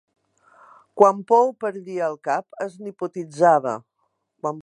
Quan Poe perdia el cap es niponitzava.